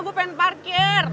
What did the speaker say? gue pengen parkir